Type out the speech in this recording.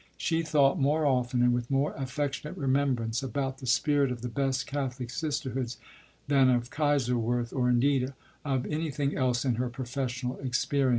She thought more often, and with more affectionate remembrance, about the spirit of the best Catholic sisterhoods than of Kaiserswerth, or indeed of anything else in her professional experience.